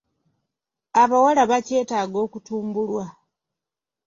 Abawala bakyetaaga okutumbulwa.